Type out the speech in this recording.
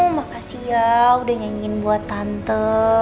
makasih ya udah nyanyiin buat tante